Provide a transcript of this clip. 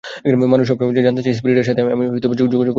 মানুষ সবসময়েই জানতে চায়, স্পিরিটের সাথে আমি যোগাযোগ করতে পারি কি না।